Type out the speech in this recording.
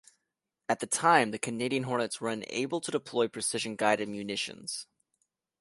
At the time the Canadian Hornets were unable to deploy precision guided munitions.